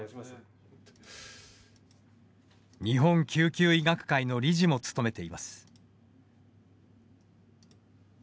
日本救急医学会の理事も務めています。